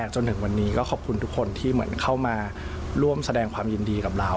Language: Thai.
จนถึงวันนี้ก็ขอบคุณทุกคนที่เหมือนเข้ามาร่วมแสดงความยินดีกับเรา